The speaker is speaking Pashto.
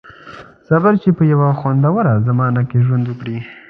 • صبر، چې په یوه خوندوره زمانه کې ژوند وکړئ.